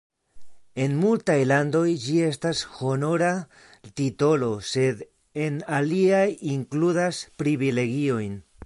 En multaj landoj, ĝi estas honora titolo, sed en aliaj inkludas privilegiojn.